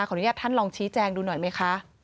อนุญาตท่านลองชี้แจงดูหน่อยไหมคะ